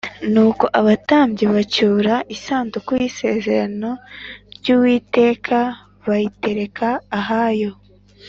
Nuko abatambyi bacyura isanduku y’isezerano ry’Uwiteka bayitereka ahayo